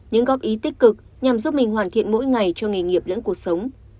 những góp ý tích cực nhằm giúp mình hoàn thiện mỗi ngày cho nghề nghiệp lẫn cuộc sống